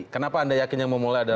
kenapa anda yakin yang memulai adalah